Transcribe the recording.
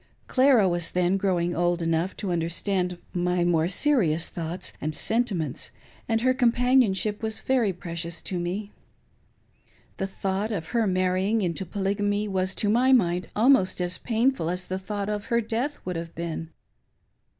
Clara was then growing old enough to understand my more serious thoughts and sen timents, and her companionship was very precious to me. The, thought of her marrying into Polygamy was to my mind almost as painful as the thought of her death would have been.